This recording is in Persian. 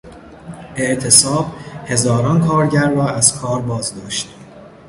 اعتصاب، هزاران کارگر را از کار بازداشت.